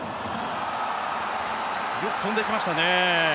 よく飛んでいきましたね。